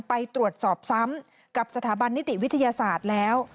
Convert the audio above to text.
ไปตรวจสอบซ้ำกับสถาบันนิติวิทยาศาสตร์แล้ว